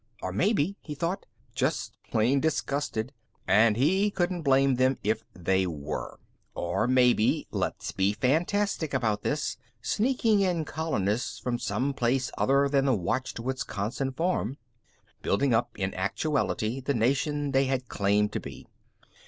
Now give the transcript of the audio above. Or maybe, he thought, just plain disgusted. And he couldn't blame them if they were. Or maybe let's be fantastic about this sneaking in colonists from some place other than the watched Wisconsin farm, building up in actuality the nation they had claimed to be.